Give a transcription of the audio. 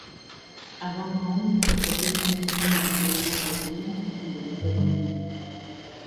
A Dama Om, que tiña o mesmo espírito indomable ca min, envelleceu comigo.